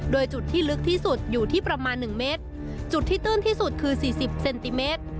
โดยจุดที่ลึกที่สุดอยู่ที่ประมาณหนึ่งเมตรจุดที่ตื้นที่สุดคือสี่สิบเซนติเมตร